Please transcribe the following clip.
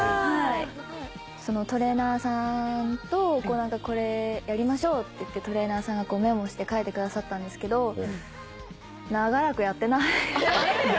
トレーナーさんとこれやりましょうっていってトレーナーさんがメモして書いてくださったんですけど長らくやってない。